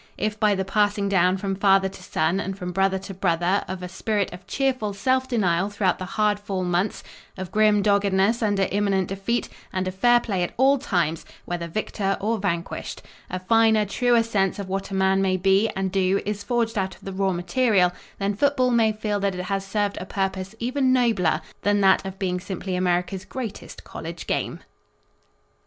If by the passing down from father to son and from brother to brother of a spirit of cheerful self denial throughout the hard fall months of grim doggedness under imminent defeat and of fair play at all times, whether victor or vanquished a finer, truer sense of what a man may be and do is forged out of the raw material, then football may feel that it has served a purpose even nobler than that of being simply America's greatest college game.